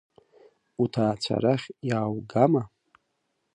Уҭаацәа арахь иааугама?